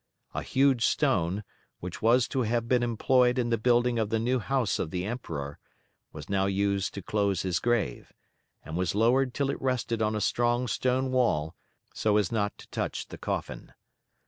A huge stone, which was to have been employed in the building of the new house of the Emperor, was now used to close his grave, and was lowered till it rested on a strong stone wall so as not to touch the coffin.